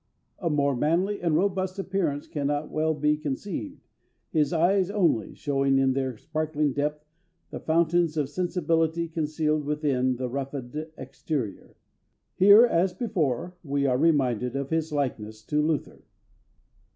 A more manly and robust appearance cannot well be conceived, his eyes only showing in their sparkling depth the fountains of sensibility concealed within the roughened exterior. Here, as before, we are reminded of his likeness to Luther."